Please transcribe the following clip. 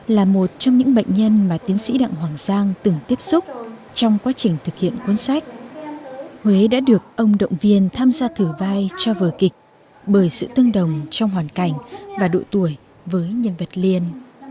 là một trong những bệnh nhân mà tiến sĩ đặng hoàng giang từng tiếp xúc trong quá trình thực hiện cuốn sách huế đã được ông động viên tham gia thử vai cho vở kịch bởi sự tương đồng trong hoàn cảnh và độ tuổi với nhân vật liên